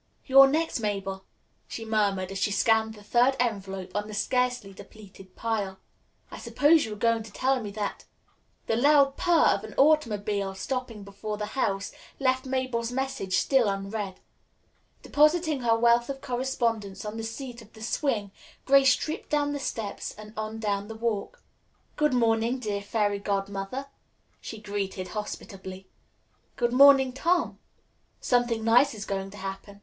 "You're next, Mabel," she murmured as she scanned the third envelope on the scarcely depleted pile. "I suppose you are going to tell me that " The loud purr of an automobile stopping before the house left Mabel's message still unread. Depositing her wealth of correspondence on the seat of the swing, Grace tripped down the steps and on down the walk. "Good morning, dear Fairy Godmother," she greeted hospitably. "Good morning, Tom. Something nice is going to happen.